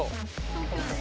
東京です。